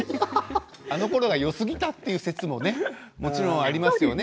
あのころがよすぎたという説ももちろんありますよね。